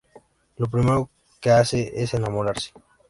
Lo primero que hace es enamorarse.